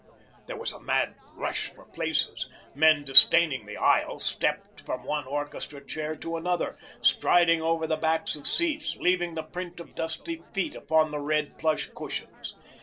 There was a mad rush for places; men disdaining the aisle, stepped from one orchestra chair to another, striding over the backs of seats, leaving the print of dusty feet upon the red plush cushions.